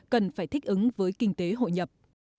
cần phải thích ứng với kinh tế hội nhập